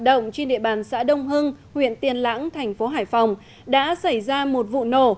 động trên địa bàn xã đông hưng huyện tiên lãng thành phố hải phòng đã xảy ra một vụ nổ